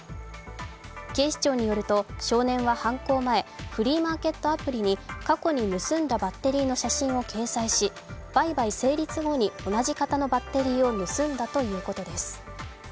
警視庁によると少年は犯行前、フリーマーケットアプリに過去に盗んだバッテリーの写真を掲載し売買成立後に同じ型のバッテリーを盗んだということです。